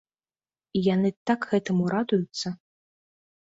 І яны так гэтаму радуюцца!